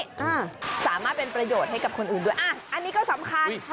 อ่าสามารถเป็นประโยชน์ให้กับคนอื่นด้วยอ่ะอันนี้ก็สำคัญค่ะ